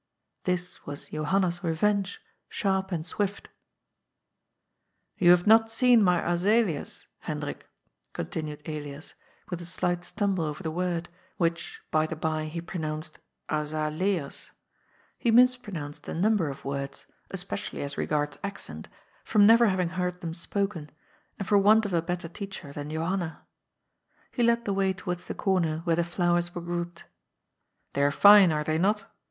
This was Johanna's revenge, sharp and swift *' You have not seen my azaleas, Hendrik," continued Elias, with a slight stumble over the word, which, by the bye, he pronounced ^* azaleas." He mispronounced a num ber of words — especially as regards accent — ^from never hav ing heard them spoken, and for want of a better teacher than Johanna. He led the way towards the comer where the flowers were grouped. '^ They are fine, are they not?